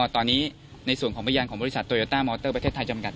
ตอนนี้ในส่วนพยานของตูโยต้าโมเตอร์ประเทศไทยจำกัด